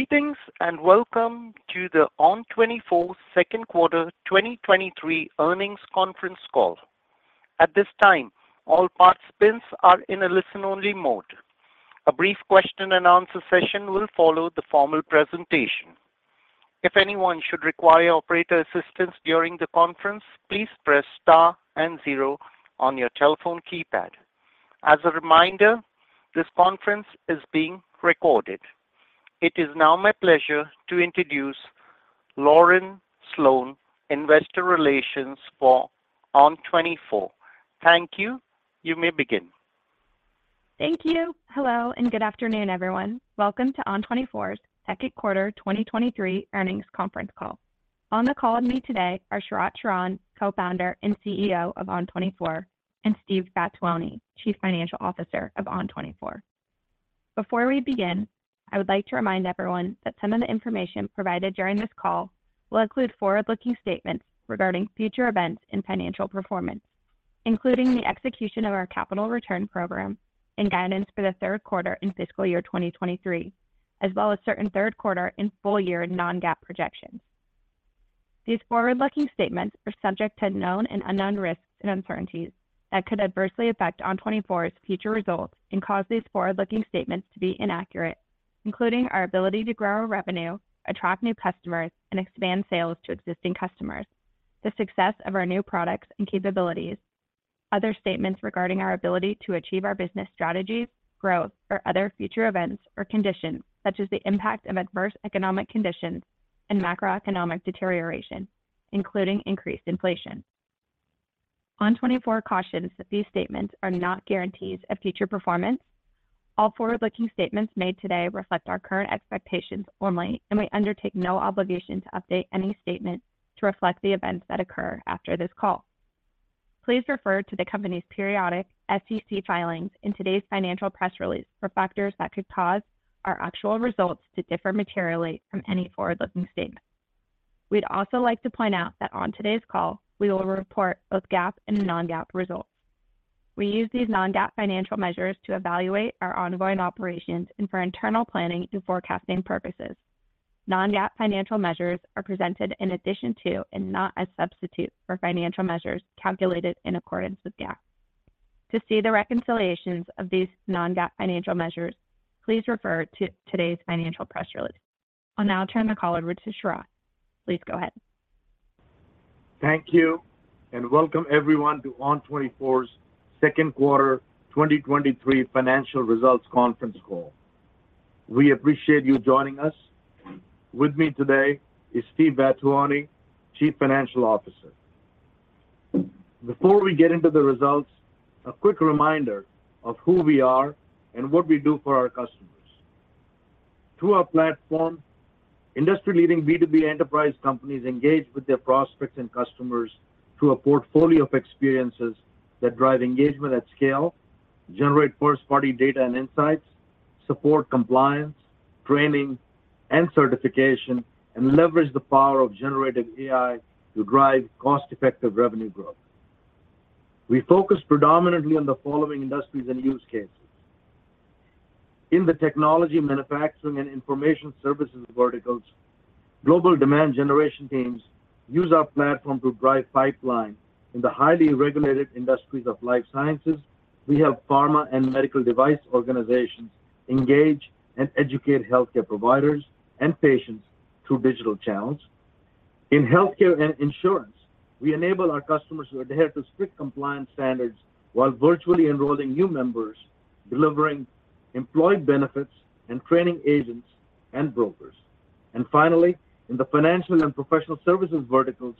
Greetings, welcome to the ON24 Second Quarter 2023 Earnings Conference Call. At this time, all participants are in a listen-only mode. A brief question and answer session will follow the formal presentation. If anyone should require operator assistance during the conference, please press star and zero on your telephone keypad. As a reminder, this conference is being recorded. It is now my pleasure to introduce Lauren Sloane, Investor Relations for ON24. Thank you. You may begin. Thank you. Hello, good afternoon, everyone. Welcome to ON24's Second Quarter 2023 Earnings Conference Call. On the call with me today are Sharat Sharan, Co-founder and CEO of ON24, and Steve Vattuone, Chief Financial Officer of ON24. Before we begin, I would like to remind everyone that some of the information provided during this call will include forward-looking statements regarding future events and financial performance, including the execution of our capital return program and guidance for the third quarter in fiscal year 2023, as well as certain third quarter and full year non-GAAP projections. These forward-looking statements are subject to known and unknown risks and uncertainties that could adversely affect ON24's future results and cause these forward-looking statements to be inaccurate, including our ability to grow our revenue, attract new customers, and expand sales to existing customers, the success of our new products and capabilities, other statements regarding our ability to achieve our business strategies, growth, or other future events or conditions, such as the impact of adverse economic conditions and macroeconomic deterioration, including increased inflation. ON24 cautions that these statements are not guarantees of future performance. All forward-looking statements made today reflect our current expectations only, and we undertake no obligation to update any statement to reflect the events that occur after this call. Please refer to the company's periodic SEC filings in today's financial press release for factors that could cause our actual results to differ materially from any forward-looking statement. We'd also like to point out that on today's call, we will report both GAAP and non-GAAP results. We use these non-GAAP financial measures to evaluate our ongoing operations and for internal planning and forecasting purposes. Non-GAAP financial measures are presented in addition to, and not as substitute for financial measures calculated in accordance with GAAP. To see the reconciliations of these non-GAAP financial measures, please refer to today's financial press release. I'll now turn the call over to Sharat. Please go ahead. Thank you, and welcome everyone to ON24's second quarter 2023 financial results conference call. We appreciate you joining us. With me today is Steve Vattuone, Chief Financial Officer. Before we get into the results, a quick reminder of who we are and what we do for our customers. Through our platform, industry-leading B2B enterprise companies engage with their prospects and customers through a portfolio of experiences that drive engagement at scale, generate first-party data and insights, support compliance, training, and certification, and leverage the power of generative AI to drive cost-effective revenue growth. We focus predominantly on the following industries and use cases. In the technology, manufacturing, and information services verticals, global demand generation teams use our platform to drive pipeline. In the highly regulated industries of life sciences, we help pharma and medical device organizations engage and educate healthcare providers and patients through digital channels. In healthcare and insurance, we enable our customers who adhere to strict compliance standards while virtually enrolling new members, delivering employed benefits, and training agents and brokers. Finally, in the financial and professional services verticals,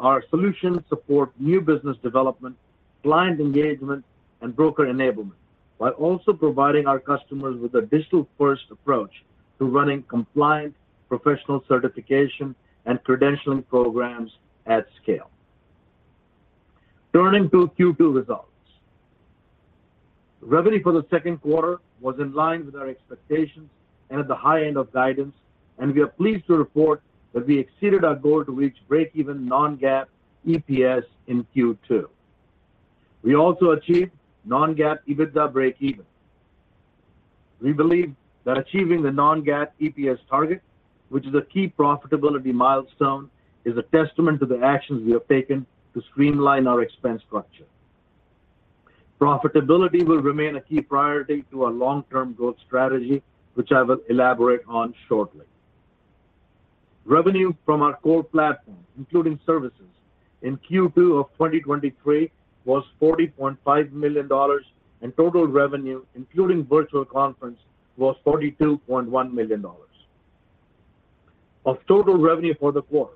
our solutions support new business development, client engagement, and broker enablement, while also providing our customers with a digital-first approach to running compliant professional certification and credentialing programs at scale. Turning to Q2 results. Revenue for the second quarter was in line with our expectations and at the high end of guidance. We are pleased to report that we exceeded our goal to reach breakeven non-GAAP EPS in Q2. We also achieved non-GAAP EBITDA breakeven. We believe that achieving the non-GAAP EPS target, which is a key profitability milestone, is a testament to the actions we have taken to streamline our expense structure. Profitability will remain a key priority to our long-term growth strategy, which I will elaborate on shortly. Revenue from our core platform, including services, in Q2 of 2023 was $40.5 million, total revenue, including Virtual Conference, was $42.1 million. Of total revenue for the quarter,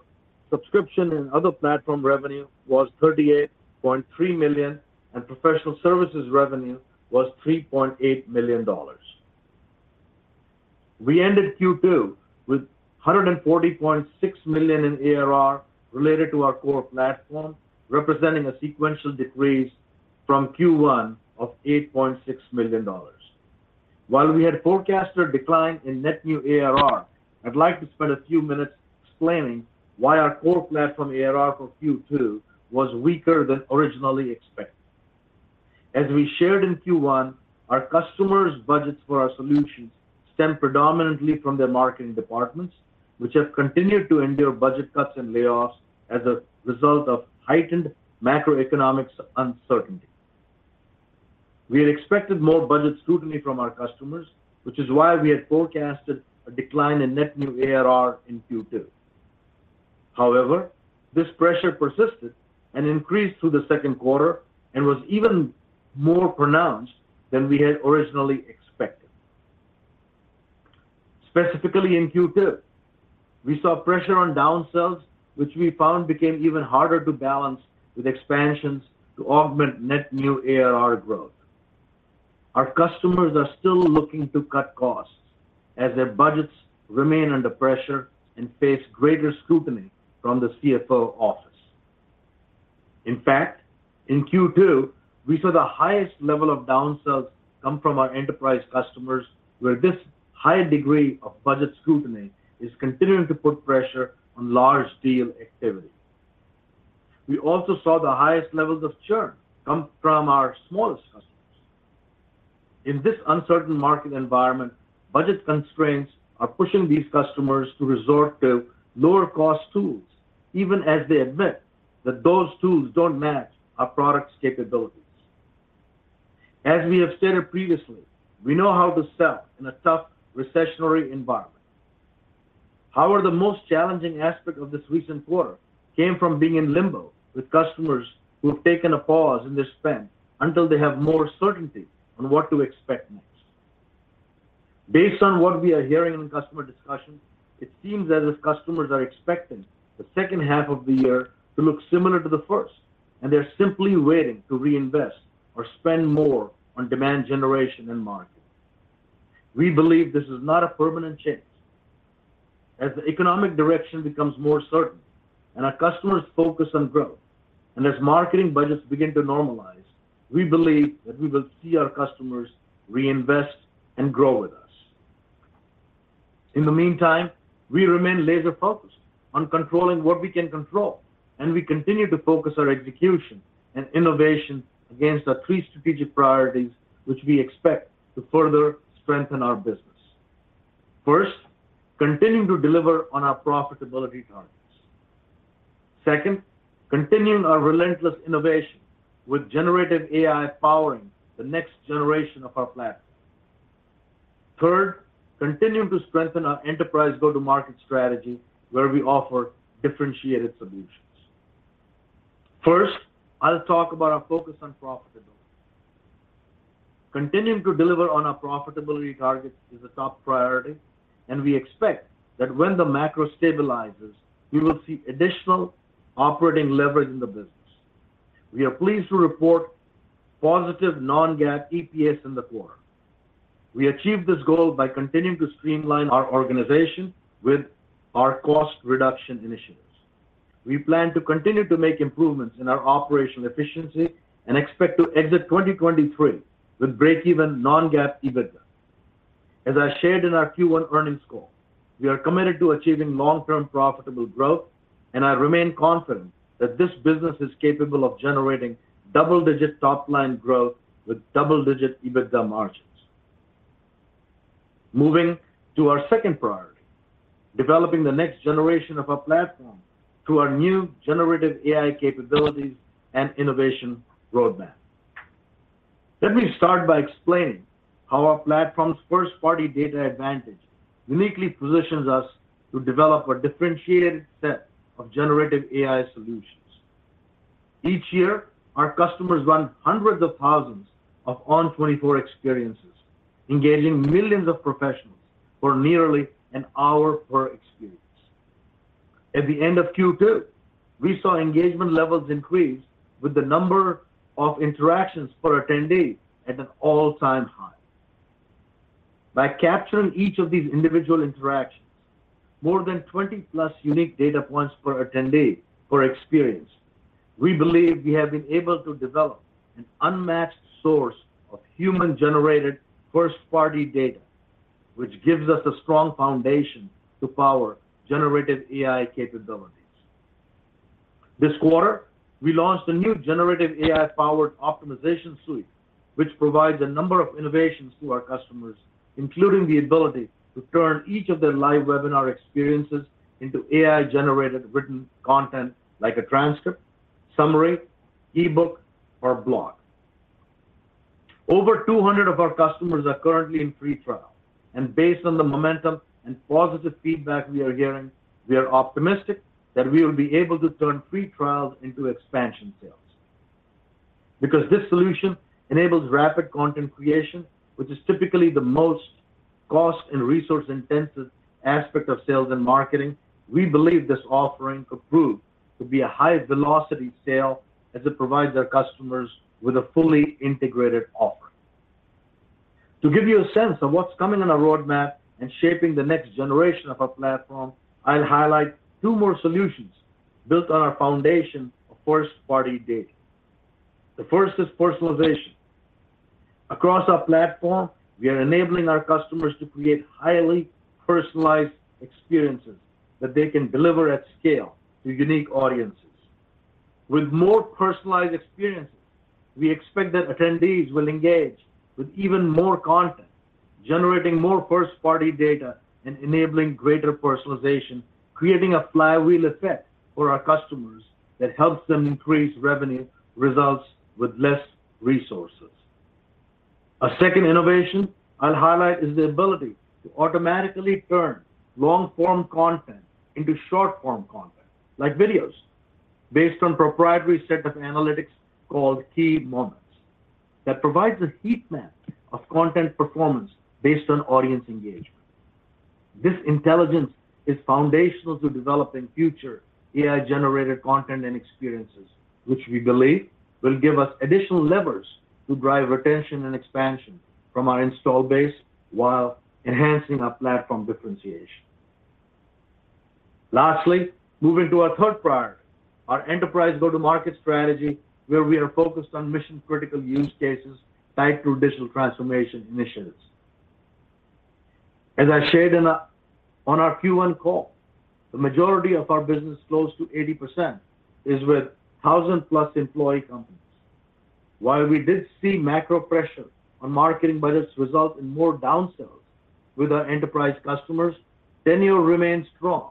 subscription and other platform revenue was $38.3 million, professional services revenue was $3.8 million. We ended Q2 with $140.6 million in ARR related to our core platform, representing a sequential decrease from Q1 of $8.6 million. While we had forecasted a decline in net new ARR, I'd like to spend a few minutes explaining why our core platform ARR for Q2 was weaker than originally expected.... As we shared in Q1, our customers' budgets for our solutions stem predominantly from their marketing departments, which have continued to endure budget cuts and layoffs as a result of heightened macroeconomics uncertainty. We had expected more budget scrutiny from our customers, which is why we had forecasted a decline in net new ARR in Q2. However, this pressure persisted and increased through the second quarter and was even more pronounced than we had originally expected. Specifically in Q2, we saw pressure on down-sells, which we found became even harder to balance with expansions to augment net new ARR growth. Our customers are still looking to cut costs as their budgets remain under pressure and face greater scrutiny from the CFO office. In fact, in Q2, we saw the highest level of down-sells come from our enterprise customers, where this high degree of budget scrutiny is continuing to put pressure on large deal activity. We also saw the highest levels of churn come from our smallest customers. In this uncertain market environment, budget constraints are pushing these customers to resort to lower-cost tools, even as they admit that those tools don't match our product's capabilities. As we have stated previously, we know how to sell in a tough recessionary environment. However, the most challenging aspect of this recent quarter came from being in limbo with customers who have taken a pause in their spend until they have more certainty on what to expect next. Based on what we are hearing in customer discussions, it seems as if customers are expecting the second half of the year to look similar to the first, and they're simply waiting to reinvest or spend more on demand generation and marketing. We believe this is not a permanent change. As the economic direction becomes more certain and our customers focus on growth, and as marketing budgets begin to normalize, we believe that we will see our customers reinvest and grow with us. In the meantime, we remain laser-focused on controlling what we can control, and we continue to focus our execution and innovation against our three strategic priorities, which we expect to further strengthen our business. First, continuing to deliver on our profitability targets. Second, continuing our relentless innovation with generative AI powering the next generation of our platform. Third, continuing to strengthen our enterprise go-to-market strategy, where we offer differentiated solutions. First, I'll talk about our focus on profitability. Continuing to deliver on our profitability targets is a top priority, and we expect that when the macro stabilizes, we will see additional operating leverage in the business. We are pleased to report positive non-GAAP EPS in the quarter. We achieved this goal by continuing to streamline our organization with our cost reduction initiatives. We plan to continue to make improvements in our operational efficiency and expect to exit 2023 with breakeven non-GAAP EBITDA. As I shared in our Q1 earnings call, we are committed to achieving long-term profitable growth, and I remain confident that this business is capable of generating double-digit top-line growth with double-digit EBITDA margins. Moving to our second priority, developing the next generation of our platform through our new generative AI capabilities and innovation roadmap. Let me start by explaining how our platform's first-party data advantage uniquely positions us to develop a differentiated set of generative AI solutions. Each year, our customers run hundreds of thousands of ON24 experiences, engaging millions of professionals for nearly an hour per experience. At the end of Q2, we saw engagement levels increase, with the number of interactions per attendee at an all-time high. By capturing each of these individual interactions, more than 20-plus unique data points per attendee per experience, we believe we have been able to develop an unmatched source of human-generated first-party data, which gives us a strong foundation to power generative AI capabilities. This quarter, we launched a new generative AI-powered Optimization Suite, which provides a number of innovations to our customers, including the ability to turn each of their live webinar experiences into AI-generated written content, like a transcript, summary, ebook, or blog. Over 200 of our customers are currently in free trial, based on the momentum and positive feedback we are getting, we are optimistic that we will be able to turn free trials into expansion sales. This solution enables rapid content creation, which is typically the most cost and resource-intensive aspect of sales and marketing, we believe this offering could prove to be a high-velocity sale as it provides our customers with a fully integrated offer. To give you a sense of what's coming on our roadmap and shaping the next generation of our platform, I'll highlight two more solutions built on our foundation of first-party data. The first is personalization.... Across our platform, we are enabling our customers to create highly personalized experiences that they can deliver at scale to unique audiences. With more personalized experiences, we expect that attendees will engage with even more content, generating more first-party data and enabling greater personalization, creating a flywheel effect for our customers that helps them increase revenue results with less resources. A second innovation I'll highlight is the ability to automatically turn long-form content into short-form content, like videos, based on proprietary set of analytics called Key Moments, that provides a heat map of content performance based on audience engagement. This intelligence is foundational to developing future AI-generated content and experiences, which we believe will give us additional levers to drive retention and expansion from our install base, while enhancing our platform differentiation. Lastly, moving to our third priority, our enterprise go-to-market strategy, where we are focused on mission-critical use cases tied to digital transformation initiatives. As I shared on our Q1 call, the majority of our business, close to 80%, is with 1,000+ employee companies. While we did see macro pressure on marketing budgets result in more downsells with our enterprise customers, tenure remains strong,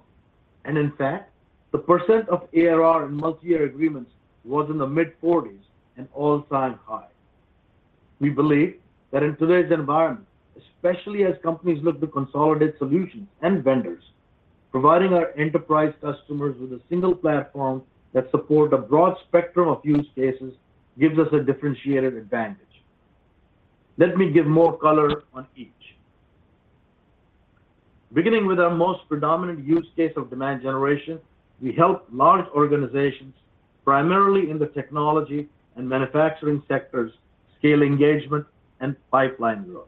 and in fact, the percent of ARR in multiyear agreements was in the mid-40s and all-time high. We believe that in today's environment, especially as companies look to consolidate solutions and vendors, providing our enterprise customers with a single platform that support a broad spectrum of use cases gives us a differentiated advantage. Let me give more color on each. Beginning with our most predominant use case of demand generation, we help large organizations, primarily in the technology and manufacturing sectors, scale engagement and pipeline growth.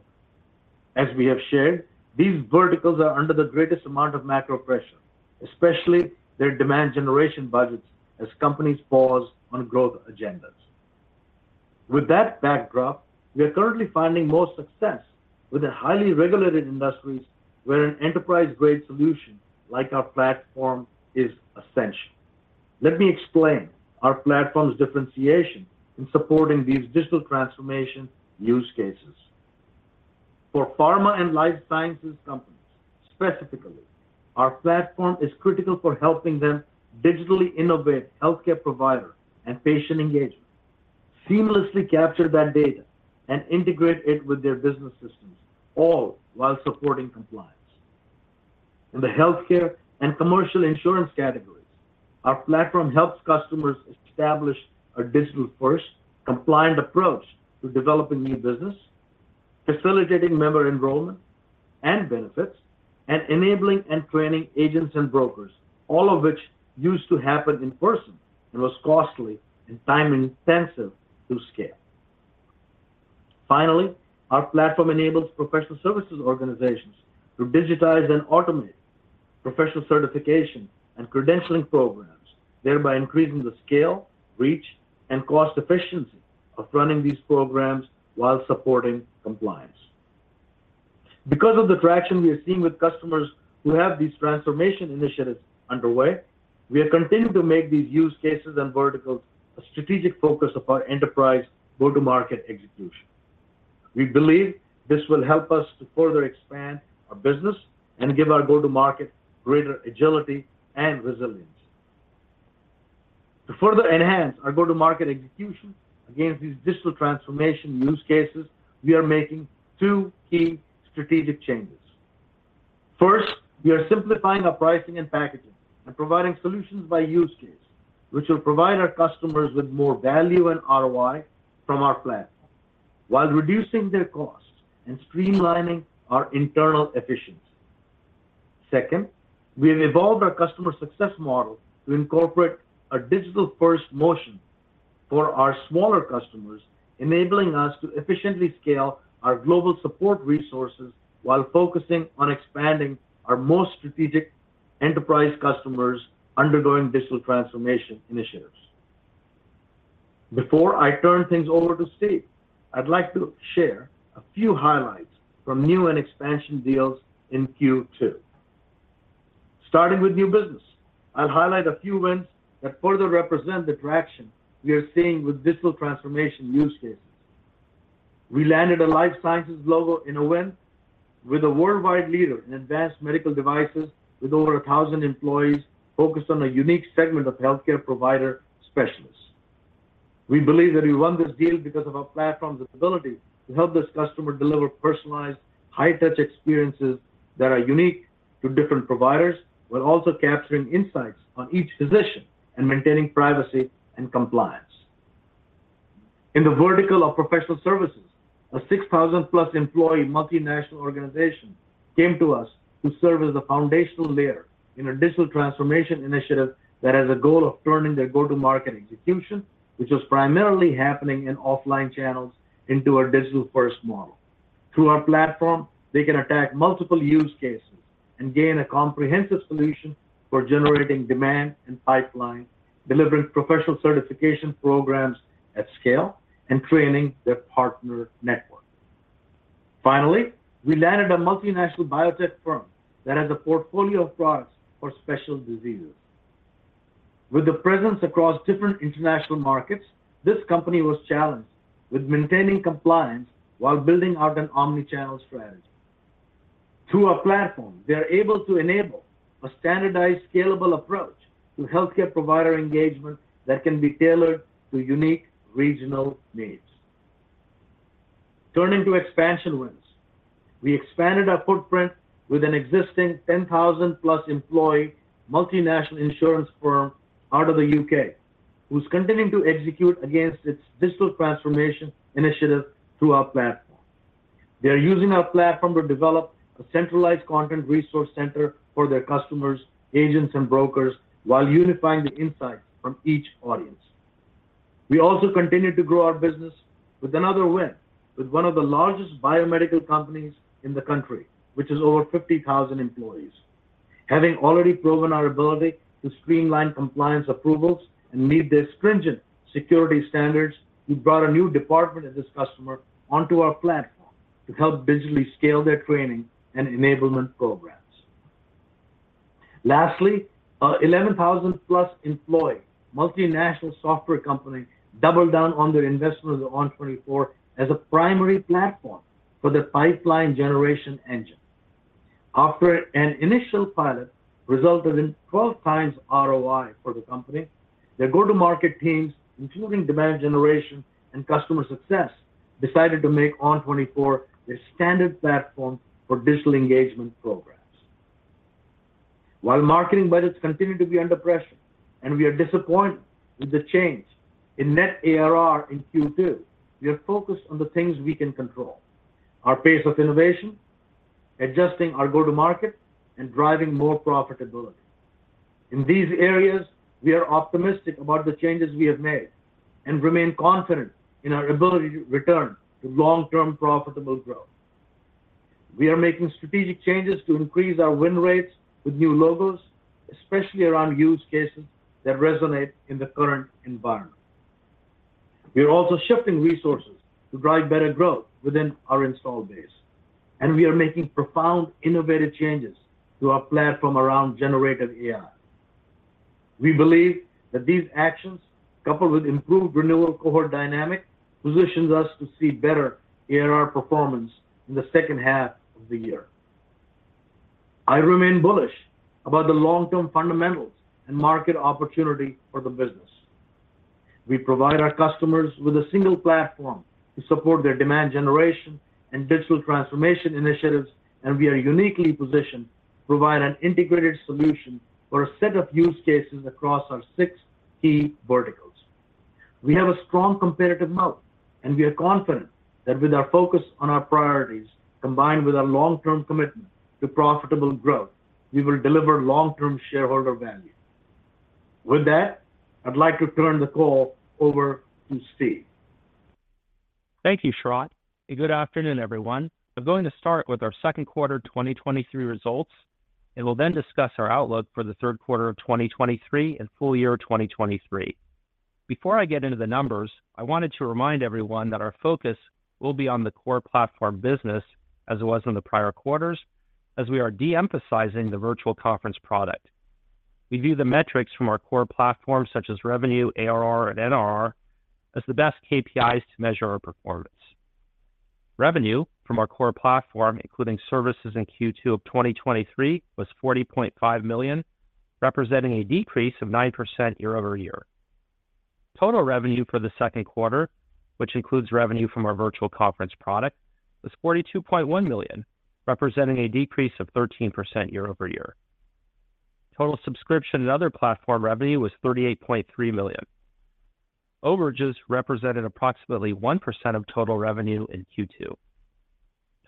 As we have shared, these verticals are under the greatest amount of macro pressure, especially their demand generation budgets, as companies pause on growth agendas. With that backdrop, we are currently finding more success with the highly regulated industries, where an enterprise-grade solution, like our platform, is essential. Let me explain our platform's differentiation in supporting these digital transformation use cases. For pharma and life sciences companies, specifically, our platform is critical for helping them digitally innovate healthcare provider and patient engagement, seamlessly capture that data, and integrate it with their business systems, all while supporting compliance. In the healthcare and commercial insurance categories, our platform helps customers establish a digital-first, compliant approach to developing new business, facilitating member enrollment and benefits, and enabling and training agents and brokers, all of which used to happen in person and was costly and time-intensive to scale. Finally, our platform enables professional services organizations to digitize and automate professional certification and credentialing programs, thereby increasing the scale, reach, and cost efficiency of running these programs while supporting compliance. Because of the traction we are seeing with customers who have these transformation initiatives underway, we have continued to make these use cases and verticals a strategic focus of our enterprise go-to-market execution. We believe this will help us to further expand our business and give our go-to-market greater agility and resilience. To further enhance our go-to-market execution against these digital transformation use cases, we are making two key strategic changes. First, we are simplifying our pricing and packaging and providing solutions by use case, which will provide our customers with more value and ROI from our platform, while reducing their costs and streamlining our internal efficiency. Second, we have evolved our customer success model to incorporate a digital-first motion for our smaller customers, enabling us to efficiently scale our global support resources while focusing on expanding our most strategic enterprise customers undergoing digital transformation initiatives. Before I turn things over to Steve, I'd like to share a few highlights from new and expansion deals in Q2. Starting with new business, I'll highlight a few wins that further represent the traction we are seeing with digital transformation use cases. We landed a life sciences logo in a win with a worldwide leader in advanced medical devices with over 1,000 employees focused on a unique segment of healthcare provider specialists. We believe that we won this deal because of our platform's ability to help this customer deliver personalized, high-touch experiences that are unique to different providers, while also capturing insights on each physician and maintaining privacy and compliance. In the vertical of professional services, a 6,000 plus employee multinational organization came to us to serve as a foundational layer in a digital transformation initiative that has a goal of turning their go-to-market execution, which was primarily happening in offline channels, into a digital-first model. Through our platform, they can attack multiple use cases, gain a comprehensive solution for generating demand and pipeline, delivering professional certification programs at scale, and training their partner network. Finally, we landed a multinational biotech firm that has a portfolio of products for special diseases. With the presence across different international markets, this company was challenged with maintaining compliance while building out an omni-channel strategy. Through our platform, they are able to enable a standardized, scalable approach to healthcare provider engagement that can be tailored to unique regional needs. Turning to expansion wins, we expanded our footprint with an existing 10,000+ employee, multinational insurance firm out of the UK, who's continuing to execute against its digital transformation initiative through our platform. They are using our platform to develop a centralized content resource center for their customers, agents, and brokers, while unifying the insights from each audience. We also continued to grow our business with another win, with one of the largest biomedical companies in the country, which has over 50,000 employees. Having already proven our ability to streamline compliance approvals and meet their stringent security standards, we brought a new department of this customer onto our platform to help digitally scale their training and enablement programs. Lastly, 11,000+ employee, multinational software company, doubled down on their investment ON24 as a primary platform for their pipeline generation engine. After an initial pilot resulted in 12x ROI for the company, their go-to-market teams, including demand generation and customer success, decided to make ON24 their standard platform for digital engagement programs. While marketing budgets continue to be under pressure, and we are disappointed with the change in net ARR in Q2, we are focused on the things we can control: our pace of innovation, adjusting our go-to-market, and driving more profitability. In these areas, we are optimistic about the changes we have made and remain confident in our ability to return to long-term, profitable growth. We are making strategic changes to increase our win rates with new logos, especially around use cases that resonate in the current environment. We are also shifting resources to drive better growth within our installed base, and we are making profound, innovative changes to our platform around generative AI. We believe that these actions, coupled with improved renewal cohort dynamic, positions us to see better ARR performance in the second half of the year. I remain bullish about the long-term fundamentals and market opportunity for the business. We provide our customers with a single platform to support their demand generation and digital transformation initiatives, and we are uniquely positioned to provide an integrated solution for a set of use cases across our six key verticals. We have a strong competitive moat, and we are confident that with our focus on our priorities, combined with our long-term commitment to profitable growth, we will deliver long-term shareholder value. With that, I'd like to turn the call over to Steve. Thank you, Sharat, good afternoon, everyone. I'm going to start with our second quarter 2023 results, and will then discuss our outlook for the third quarter of 2023 and full year 2023. Before I get into the numbers, I wanted to remind everyone that our focus will be on the core platform business as it was in the prior quarters, as we are de-emphasizing the Virtual Conference product. We view the metrics from our core platform, such as revenue, ARR, and NRR, as the best KPIs to measure our performance. Revenue from our core platform, including services in Q2 of 2023, was $40.5 million, representing a decrease of 9% year-over-year. Total revenue for the second quarter, which includes revenue from our Virtual Conference product, was $42.1 million, representing a decrease of 13% year-over-year. Total subscription and other platform revenue was $38.3 million. Overages represented approximately 1% of total revenue in Q2.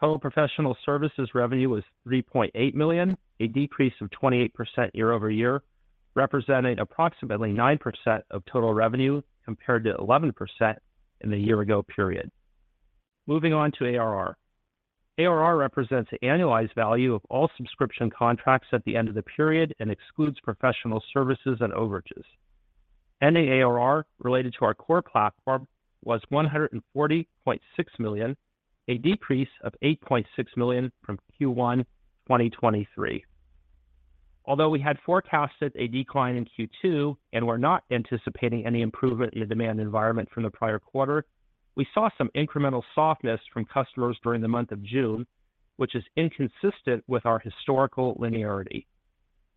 Total professional services revenue was $3.8 million, a decrease of 28% year-over-year, representing approximately 9% of total revenue, compared to 11% in the year ago period. Moving on to ARR. ARR represents the annualized value of all subscription contracts at the end of the period and excludes professional services and overages. ARR related to our core platform was $140.6 million, a decrease of $8.6 million from Q1 2023. Although we had forecasted a decline in Q2 and were not anticipating any improvement in the demand environment from the prior quarter, we saw some incremental softness from customers during the month of June, which is inconsistent with our historical linearity.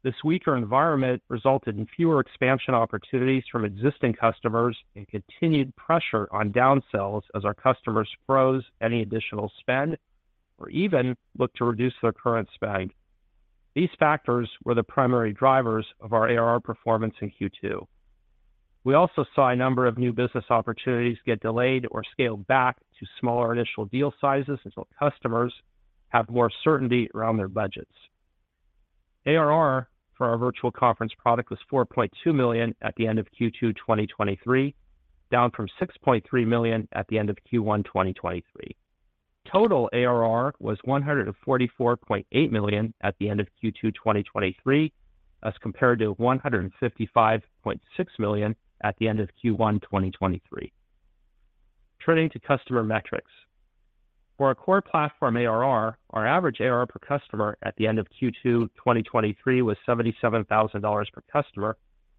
This weaker environment resulted in fewer expansion opportunities from existing customers and continued pressure on down-sells as our customers froze any additional spend or even looked to reduce their current spend. These factors were the primary drivers of our ARR performance in Q2. We also saw a number of new business opportunities get delayed or scaled back to smaller initial deal sizes until customers have more certainty around their budgets. ARR for our Virtual Conference product was $4.2 million at the end of Q2 2023, down from $6.3 million at the end of Q1 2023. Total ARR was $144.8 million at the end of Q2 2023, as compared to $155.6 million at the end of Q1 2023. Turning to customer metrics. For our core platform ARR, our average ARR per customer at the end of Q2 2023 was $77,000 per customer,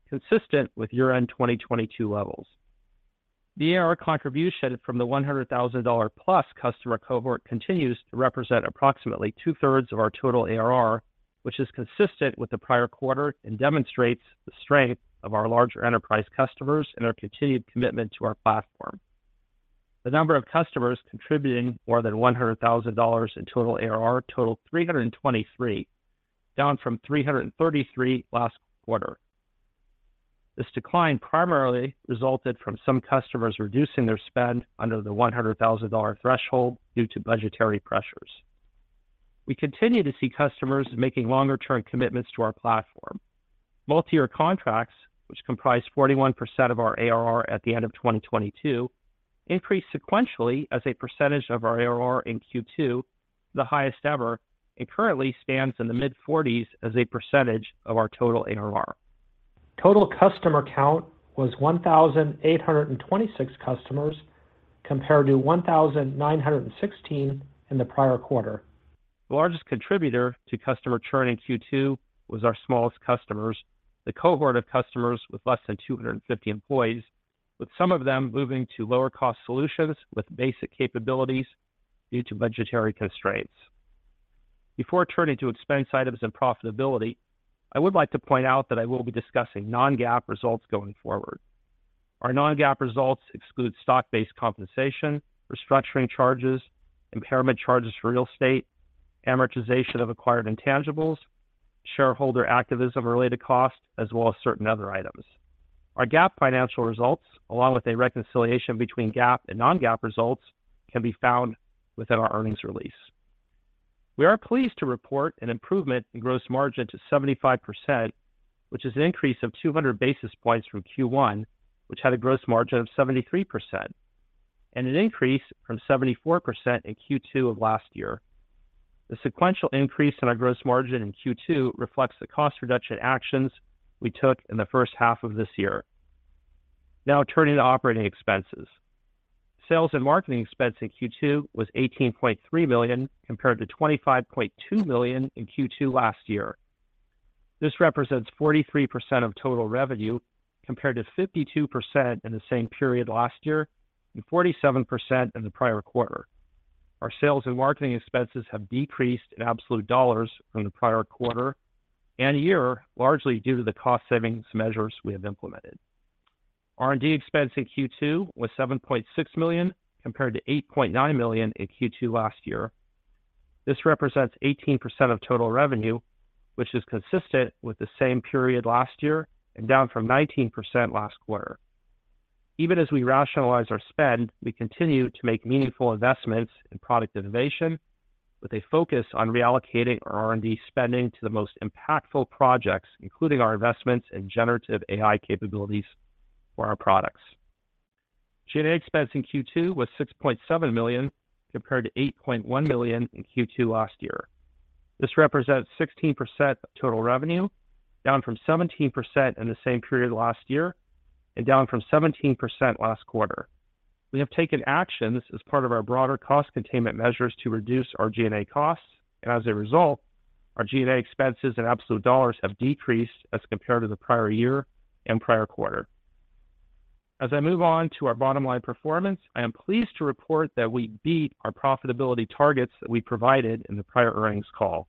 consistent with year-end 2022 levels. The ARR contribution from the $100,000-plus customer cohort continues to represent approximately two-thirds of our total ARR, which is consistent with the prior quarter and demonstrates the strength of our larger enterprise customers and our continued commitment to our platform. The number of customers contributing more than $100,000 in total ARR totaled 323, down from 333 last quarter. This decline primarily resulted from some customers reducing their spend under the $100,000 threshold due to budgetary pressures. We continue to see customers making longer-term commitments to our platform. Multi-year contracts, which comprise 41% of our ARR at the end of 2022, increased sequentially as a percentage of our ARR in Q2, the highest ever, and currently stands in the mid-40s as a percentage of our total ARR. Total customer count was 1,826 customers, compared to 1,916 in the prior quarter. The largest contributor to customer churn in Q2 was our smallest customers, the cohort of customers with less than 250 employees, with some of them moving to lower-cost solutions with basic capabilities due to budgetary constraints. Before turning to expense items and profitability, I would like to point out that I will be discussing non-GAAP results going forward. Our non-GAAP results exclude stock-based compensation, restructuring charges, impairment charges for real estate, amortization of acquired intangibles, shareholder activism-related costs, as well as certain other items. Our GAAP financial results, along with a reconciliation between GAAP and non-GAAP results, can be found within our earnings release. We are pleased to report an improvement in gross margin to 75%, which is an increase of 200 basis points from Q1, which had a gross margin of 73%, and an increase from 74% in Q2 of last year. The sequential increase in our gross margin in Q2 reflects the cost reduction actions we took in the first half of this year. Now, turning to operating expenses. Sales and marketing expense in Q2 was $18.3 million, compared to $25.2 million in Q2 last year. This represents 43% of total revenue, compared to 52% in the same period last year and 47% in the prior quarter. Our sales and marketing expenses have decreased in absolute dollars from the prior quarter and year, largely due to the cost savings measures we have implemented. R&D expense in Q2 was $7.6 million, compared to $8.9 million in Q2 last year. This represents 18% of total revenue, which is consistent with the same period last year and down from 19% last quarter. Even as we rationalize our spend, we continue to make meaningful investments in product innovation, with a focus on reallocating our R&D spending to the most impactful projects, including our investments in generative AI capabilities for our products. G&A expense in Q2 was $6.7 million, compared to $8.1 million in Q2 last year. This represents 16% of total revenue, down from 17% in the same period last year and down from 17% last quarter. We have taken actions as part of our broader cost containment measures to reduce our G&A costs, and as a result, our G&A expenses in absolute dollars have decreased as compared to the prior year and prior quarter. As I move on to our bottom line performance, I am pleased to report that we beat our profitability targets that we provided in the prior earnings call.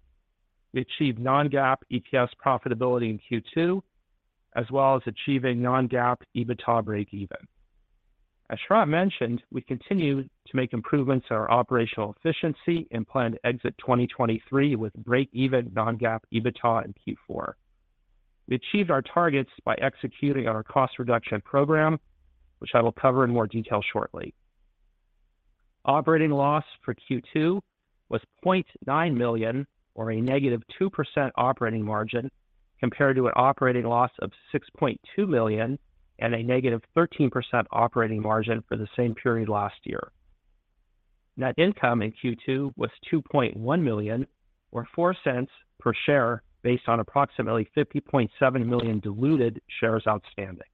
We achieved non-GAAP EPS profitability in Q2, as well as achieving non-GAAP EBITDA breakeven. As Sharat mentioned, we continue to make improvements in our operational efficiency and plan to exit 2023 with breakeven non-GAAP EBITDA in Q4. We achieved our targets by executing on our cost reduction program, which I will cover in more detail shortly. Operating loss for Q2 was $0.9 million, or a negative 2% operating margin, compared to an operating loss of $6.2 million and a negative 13% operating margin for the same period last year. Net income in Q2 was $2.1 million, or $0.04 per share, based on approximately 50.7 million diluted shares outstanding.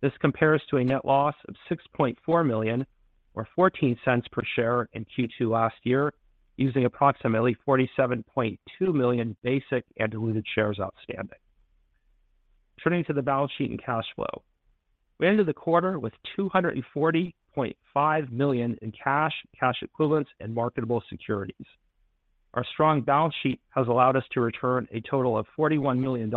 This compares to a net loss of $6.4 million, or $0.14 per share in Q2 last year, using approximately 47.2 million basic and diluted shares outstanding. Turning to the balance sheet and cash flow. We ended the quarter with $240.5 million in cash, cash equivalents, and marketable securities. Our strong balance sheet has allowed us to return a total of $41 million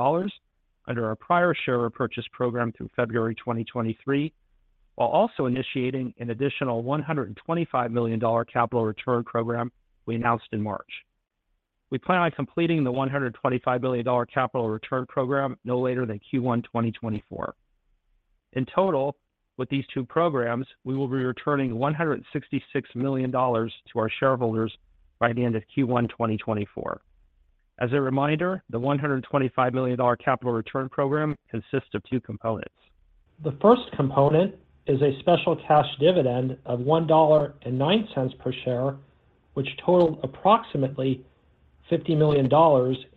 under our prior share repurchase program through February 2023, while also initiating an additional $125 million capital return program we announced in March. We plan on completing the $125 million capital return program no later than Q1 2024. In total, with these two programs, we will be returning $166 million to our shareholders by the end of Q1 2024. As a reminder, the $125 million capital return program consists of two components. The first component is a special cash dividend of $1.09 per share, which totaled approximately $50 million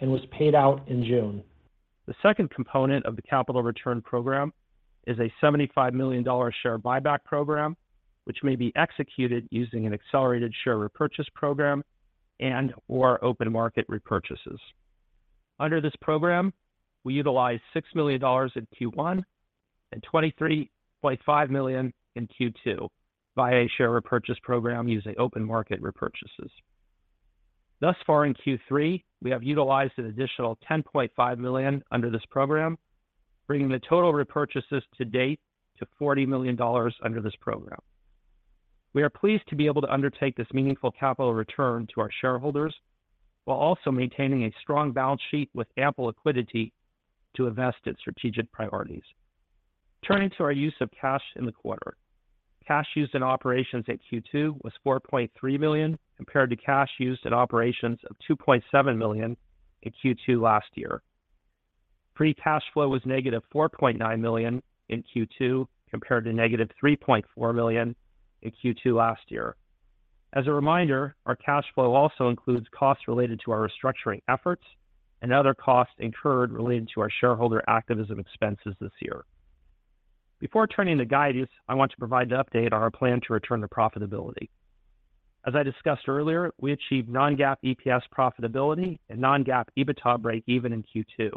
and was paid out in June. The second component of the capital return program is a $75 million share buyback program, which may be executed using an accelerated share repurchase program and/or open market repurchases. Under this program, we utilized $6 million in Q1 and $23.5 million in Q2 by a share repurchase program using open market repurchases. Thus far in Q3, we have utilized an additional $10.5 million under this program, bringing the total repurchases to date to $40 million under this program. We are pleased to be able to undertake this meaningful capital return to our shareholders, while also maintaining a strong balance sheet with ample liquidity to invest in strategic priorities. Turning to our use of cash in the quarter. Cash used in operations at Q2 was $4.3 million, compared to cash used in operations of $2.7 million in Q2 last year. Free cash flow was negative $4.9 million in Q2, compared to negative $3.4 million in Q2 last year. As a reminder, our cash flow also includes costs related to our restructuring efforts and other costs incurred related to our shareholder activism expenses this year. Before turning to guidance, I want to provide an update on our plan to return to profitability. As I discussed earlier, I achieved non-GAAP EPS profitability and non-GAAP EBITDA breakeven in Q2.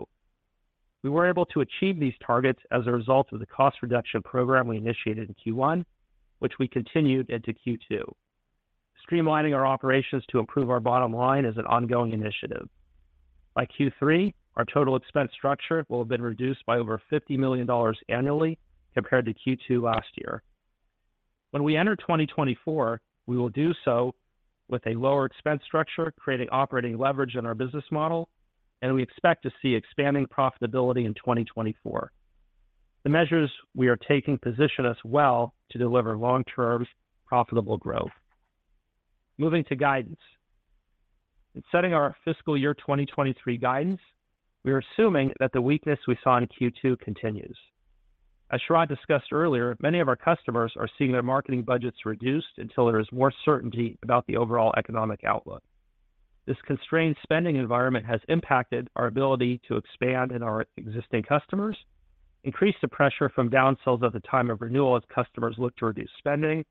We were able to achieve these targets as a result of the cost reduction program we initiated in Q1, which we continued into Q2. Streamlining our operations to improve our bottom line is an ongoing initiative. By Q3, our total expense structure will have been reduced by over $50 million annually compared to Q2 last year. When we enter 2024, we will do so with a lower expense structure, creating operating leverage in our business model. We expect to see expanding profitability in 2024. The measures we are taking position us well to deliver long-term, profitable growth. Moving to guidance. In setting our fiscal year 2023 guidance, we are assuming that the weakness we saw in Q2 continues. As Sharat discussed earlier, many of our customers are seeing their marketing budgets reduced until there is more certainty about the overall economic outlook. This constrained spending environment has impacted our ability to expand in our existing customers, increased the pressure from down-sells at the time of renewal as customers look to reduce spending,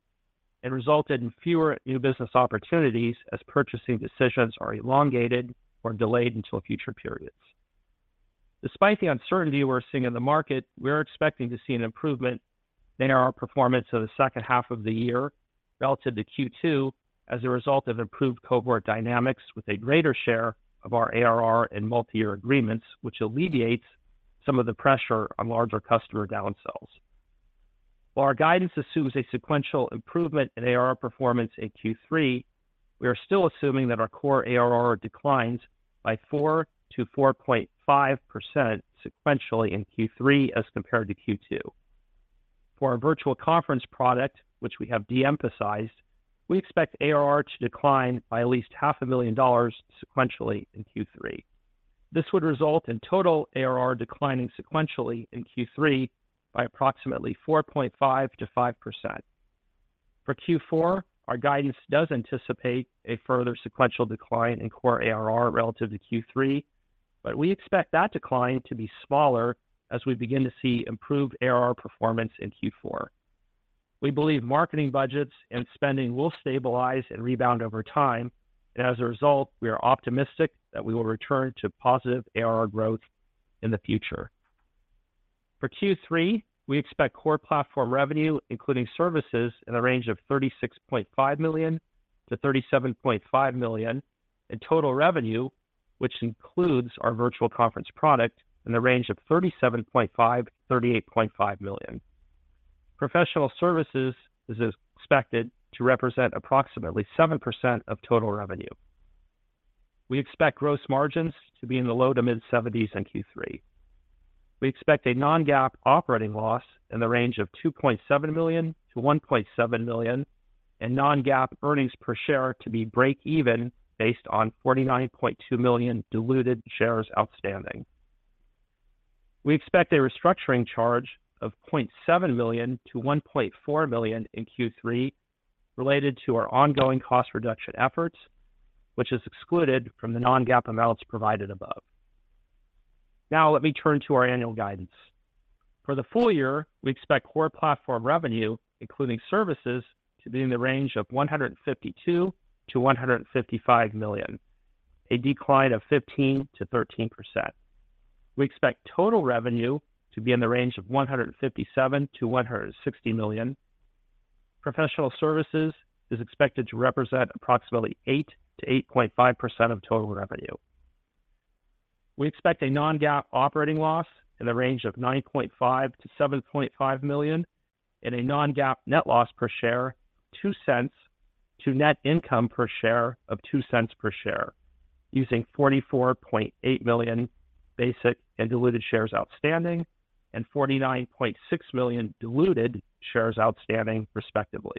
and resulted in fewer new business opportunities as purchasing decisions are elongated or delayed until future periods. Despite the uncertainty we're seeing in the market, we're expecting to see an improvement in our performance of the second half of the year relative to Q2 as a result of improved cohort dynamics with a greater share of our ARR and multi-year agreements, which alleviates some of the pressure on larger customer down-sells. While our guidance assumes a sequential improvement in ARR performance in Q3, we are still assuming that our core ARR declines by 4%-4.5% sequentially in Q3 as compared to Q2. For our Virtual Conference product, which we have de-emphasized, we expect ARR to decline by at least $500,000 sequentially in Q3. This would result in total ARR declining sequentially in Q3 by approximately 4.5%-5%. For Q4, our guidance does anticipate a further sequential decline in core ARR relative to Q3, we expect that decline to be smaller as we begin to see improved ARR performance in Q4. We believe marketing budgets and spending will stabilize and rebound over time. As a result, we are optimistic that we will return to positive ARR growth in the future. For Q3, we expect core platform revenue, including services, in the range of $36.5 million-$37.5 million, and total revenue, which includes our Virtual Conference product, in the range of $37.5 million-$38.5 million. Professional services is expected to represent approximately 7% of total revenue. We expect gross margins to be in the low to mid-70s in Q3. We expect a non-GAAP operating loss in the range of $2.7 million-$1.7 million, and non-GAAP earnings per share to be break-even, based on 49.2 million diluted shares outstanding. We expect a restructuring charge of $0.7 million-$1.4 million in Q3 related to our ongoing cost reduction efforts, which is excluded from the non-GAAP amounts provided above. Let me turn to our annual guidance. For the full year, we expect core platform revenue, including services, to be in the range of $152 million-$155 million, a decline of 15%-13%. We expect total revenue to be in the range of $157 million-$160 million. Professional services is expected to represent approximately 8%-8.5% of total revenue. We expect a non-GAAP operating loss in the range of $9.5 million-$7.5 million, and a non-GAAP net loss per share of $0.02 to net income per share of $0.02 per share.... using 44.8 million basic and diluted shares outstanding, and 49.6 million diluted shares outstanding, respectively.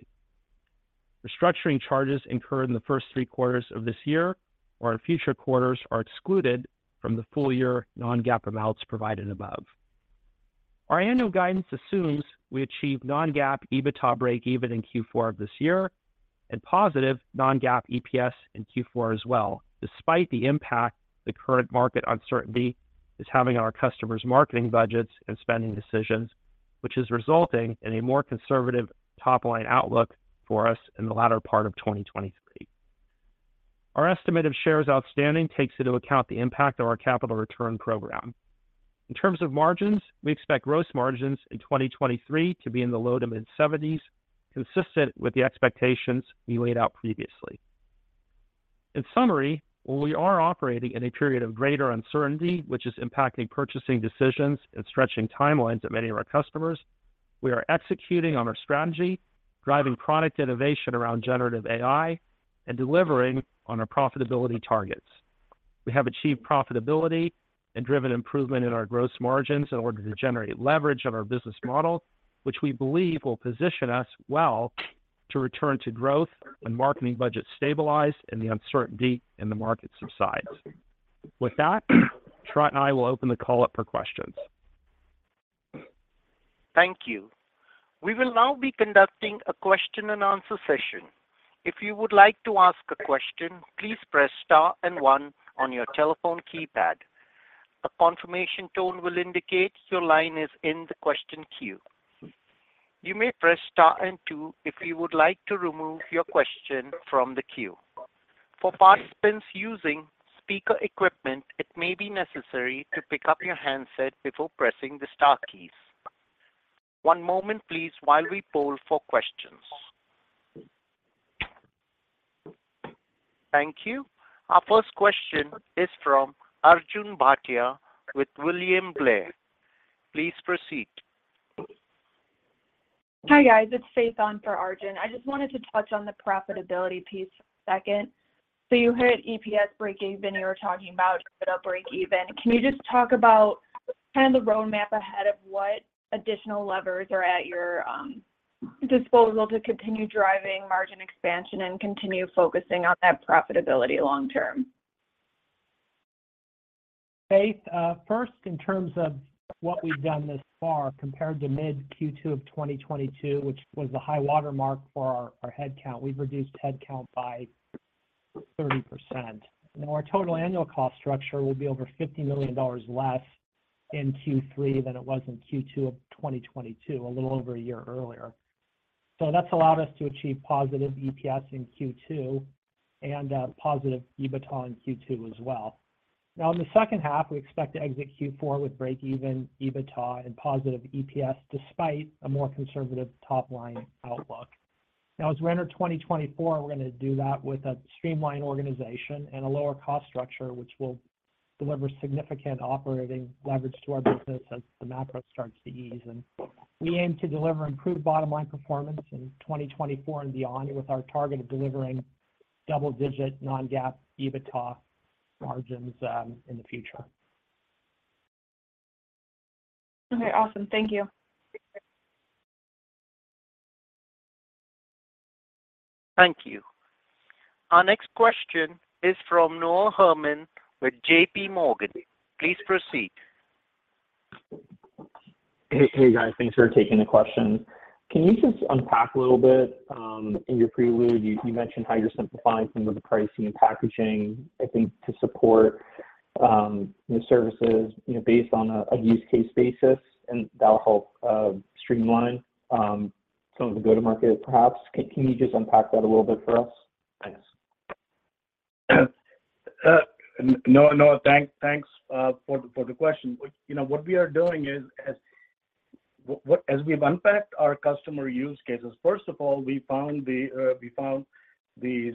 Restructuring charges incurred in the first three quarters of this year or in future quarters are excluded from the full year non-GAAP amounts provided above. Our annual guidance assumes we achieve non-GAAP EBITDA breakeven in Q4 of this year and positive non-GAAP EPS in Q4 as well, despite the impact the current market uncertainty is having on our customers' marketing budgets and spending decisions, which is resulting in a more conservative top-line outlook for us in the latter part of 2023. Our estimate of shares outstanding takes into account the impact of our capital return program. In terms of margins, we expect gross margins in 2023 to be in the low-to-mid 70s%, consistent with the expectations we laid out previously. In summary, while we are operating in a period of greater uncertainty, which is impacting purchasing decisions and stretching timelines of many of our customers, we are executing on our strategy, driving product innovation around generative AI and delivering on our profitability targets. We have achieved profitability and driven improvement in our gross margins in order to generate leverage on our business model, which we believe will position us well to return to growth when marketing budgets stabilize and the uncertainty in the market subsides. With that, Sharat and I will open the call up for questions. Thank you. We will now be conducting a question and answer session. If you would like to ask a question, please press star and one on your telephone keypad. A confirmation tone will indicate your line is in the question queue. You may press star and two if you would like to remove your question from the queue. For participants using speaker equipment, it may be necessary to pick up your handset before pressing the star keys. One moment please, while we poll for questions. Thank you. Our first question is from Arjun Bhatia with William Blair. Please proceed. Hi, guys. It's Faith on for Arjun. I just wanted to touch on the profitability piece for a second. You heard EPS breakeven, you were talking about EBITDA breakeven. Can you just talk about kind of the roadmap ahead of what additional levers are at your disposal to continue driving margin expansion and continue focusing on that profitability long term? Faith, first, in terms of what we've done thus far, compared to mid-Q2 of 2022, which was the high water mark for our, our headcount, we've reduced headcount by 30%. Our total annual cost structure will be over $50 million less in Q3 than it was in Q2 of 2022, a little over a year earlier. That's allowed us to achieve positive EPS in Q2 and positive EBITDA in Q2 as well. In the second half, we expect to exit Q4 with breakeven EBITDA and positive EPS, despite a more conservative top-line outlook. As we enter 2024, we're going to do that with a streamlined organization and a lower cost structure, which will deliver significant operating leverage to our business as the macro starts to ease. we aim to deliver improved bottom line performance in 2024 and beyond, with our target of delivering double-digit non-GAAP EBITDA margins in the future. Okay, awesome. Thank you. Thank you. Our next question is from Noah Herman with J.P. Morgan. Please proceed. Hey, hey, guys, thanks for taking the question. Can you just unpack a little bit, in your prelude, you, you mentioned how you're simplifying some of the pricing and packaging, I think, to support new services, you know, based on a use case basis, and that'll help streamline some of the go-to-market, perhaps? Can you just unpack that a little bit for us? Thanks. Noah, Noah, thanks, thanks, for the question. You know, what we are doing is as we've unpacked our customer use cases, first of all, we found the, we found these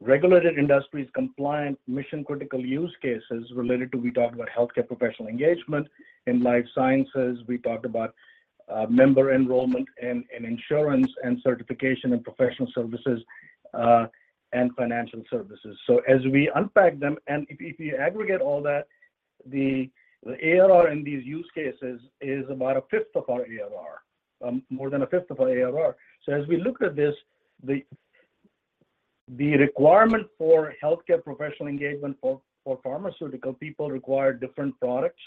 regulated industries compliant, mission-critical use cases related to. We talked about healthcare professional engagement in life sciences. We talked about member enrollment and, and insurance, and certification in professional services, and financial services. As we unpack them, and if, if you aggregate all that, the, the ARR in these use cases is about a fifth of our ARR, more than a fifth of our ARR. As we looked at this, the, the requirement for healthcare professional engagement for, for pharmaceutical people require different products.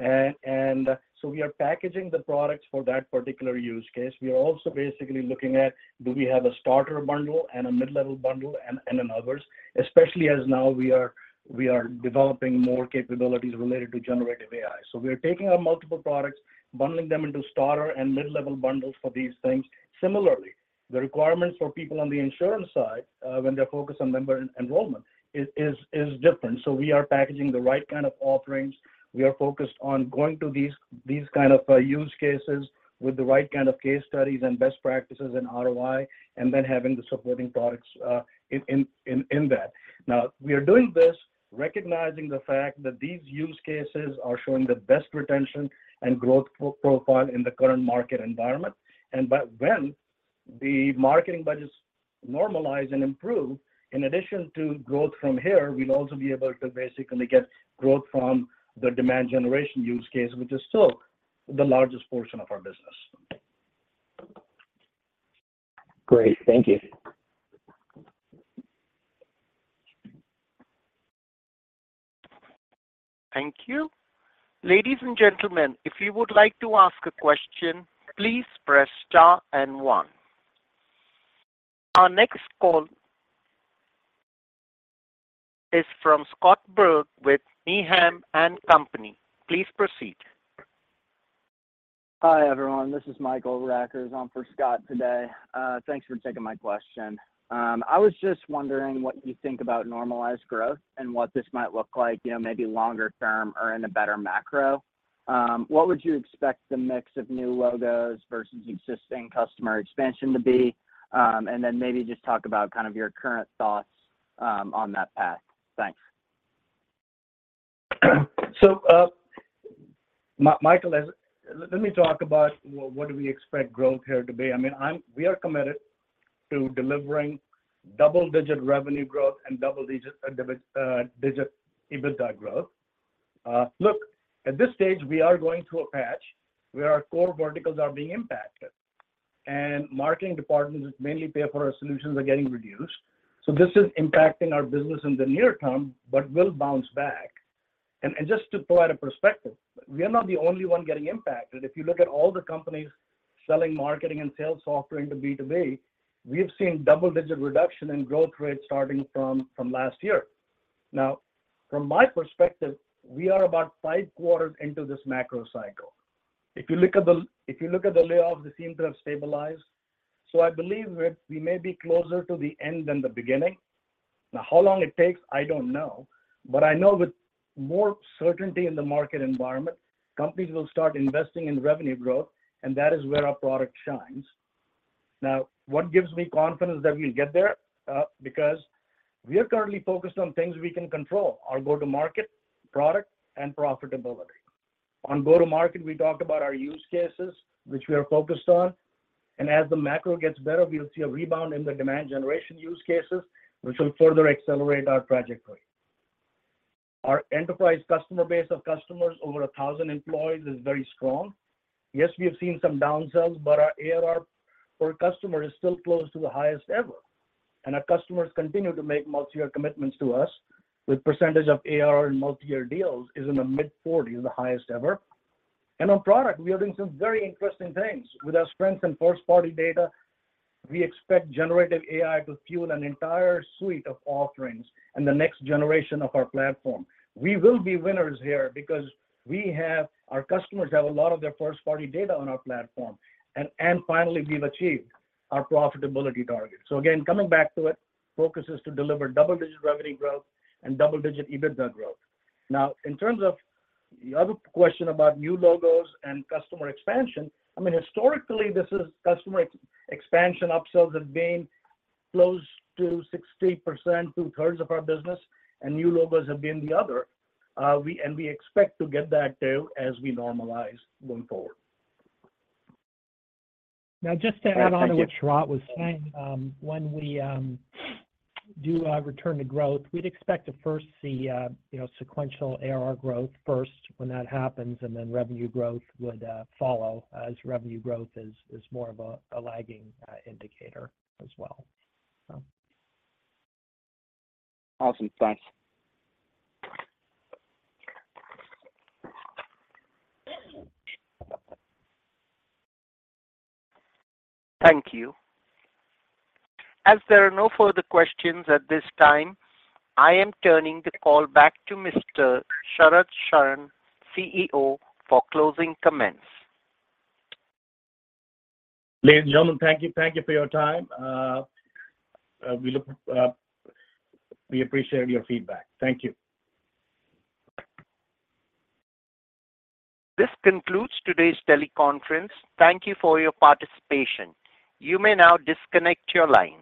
So we are packaging the products for that particular use case. We are also basically looking at, do we have a starter bundle and a mid-level bundle and, and others, especially as now we are, we are developing more capabilities related to generative AI. So we are taking our multiple products, bundling them into starter and mid-level bundles for these things. Similarly, the requirements for people on the insurance side, when they're focused on member enrollment, is, is, is different. So we are packaging the right kind of offerings. We are focused on going to these, these kind of use cases with the right kind of case studies and best practices in ROI, and then having the supporting products, in, in, in, in that. Now, we are doing this, recognizing the fact that these use cases are showing the best retention and growth pro-profile in the current market environment. when-... the marketing budgets normalize and improve, in addition to growth from here, we'll also be able to basically get growth from the demand generation use case, which is still the largest portion of our B2B business. Great. Thank you. Thank you. Ladies and gentlemen, if you would like to ask a question, please press star and one. Our next call is from Scott Berg with Needham & Company. Please proceed. Hi, everyone. This is Michael Rackers on for Scott today. Thanks for taking my question. I was just wondering what you think about normalized growth and what this might look like, you know, maybe longer term or in a better macro. What would you expect the mix of new logos versus existing customer expansion to be? Then maybe just talk about kind of your current thoughts on that path. Thanks. Michael, let me talk about what do we expect growth here to be? I mean, we are committed to delivering double-digit revenue growth and double-digit EBITDA growth. Look, at this stage, we are going through a patch where our core verticals are being impacted, and marketing departments that mainly pay for our solutions are getting reduced. This is impacting our business in the near term, but will bounce back. Just to provide a perspective, we are not the only one getting impacted. If you look at all the companies selling marketing and sales software in the B2B, we have seen double-digit reduction in growth rates starting from last year. From my perspective, we are about five quarters into this macro cycle. If you look at the layoffs, they seem to have stabilized. I believe we're, we may be closer to the end than the beginning. How long it takes, I don't know. I know with more certainty in the market environment, companies will start investing in revenue growth, and that is where our product shines. What gives me confidence that we'll get there? Because we are currently focused on things we can control: our go-to-market, product, and profitability. On go-to-market, we talked about our use cases, which we are focused on, and as the macro gets better, we'll see a rebound in the demand generation use cases, which will further accelerate our trajectory. Our enterprise customer base of customers over 1,000 employees is very strong. Yes, we have seen some down-sells, but our ARR per customer is still close to the highest ever, and our customers continue to make multi-year commitments to us with percentage of ARR in multi-year deals is in the mid-forty, the highest ever. On product, we are doing some very interesting things. With our strength in first-party data, we expect generative AI to fuel an entire suite of offerings in the next generation of our platform. We will be winners here because our customers have a lot of their first-party data on our platform. Finally, we've achieved our profitability targets. Again, coming back to it, focus is to deliver double-digit revenue growth and double-digit EBITDA growth. Now, in terms of the other question about new logos and customer expansion, I mean, historically, this is customer ex-expansion upsells have been close to 60%, 2/3 of our business, and new logos have been the other. We expect to get back there as we normalize going forward. Now, just to add on to what Sharat was saying, when we do a return to growth, we'd expect to first see, you know, sequential ARR growth first when that happens, and then revenue growth would follow as revenue growth is, is more of a, a lagging indicator as well, so. Awesome. Thanks. Thank you. As there are no further questions at this time, I am turning the call back to Mr. Sharat Sharan, CEO, for closing comments. Ladies and gentlemen, thank you. Thank you for your time. We appreciate your feedback. Thank you. This concludes today's teleconference. Thank you for your participation. You may now disconnect your line.